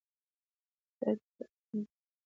هدایت باید په رسمي ډول ورکړل شي.